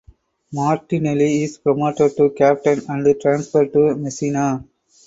Martinelli is promoted to captain and transferred to Messina.